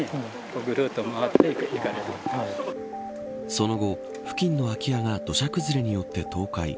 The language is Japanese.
その後、付近の空き家が土砂崩れによって倒壊。